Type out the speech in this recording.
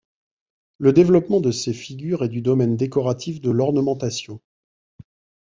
Le développement de ces figures est du domaine décoratif de l'ornementation.